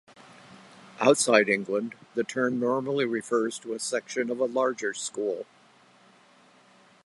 Outside England, the term normally refers to a section of a larger school.